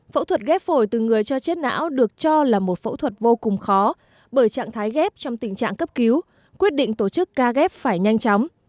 phẫu thuật ghép phổi từ người cho chết não được cho là một phẫu thuật vô cùng khó bởi trạng thái ghép trong tình trạng cấp cứu quyết định tổ chức ca ghép phải nhanh chóng